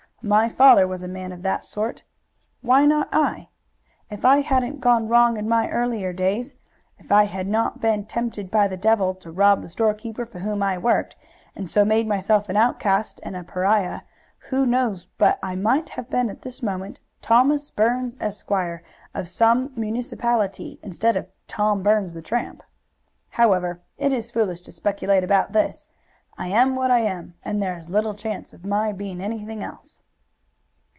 "My father was a man of that sort. Why not I? If I hadn't gone wrong in my early days, if I had not been tempted by the devil to rob the storekeeper for whom I worked, and so made myself an outcast and a pariah, who knows but I might have been at this moment Thomas Burns, Esq., of some municipality, instead of Tom Burns, the tramp? However, it is foolish to speculate about this. I am what I am, and there is little chance of my being anything else."